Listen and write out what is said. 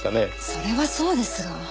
それはそうですが。